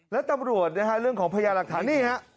และตำรวจเรื่องของพญาหลักฐาน